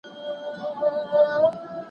ډکي پیمانې مي تشولې اوس یې نه لرم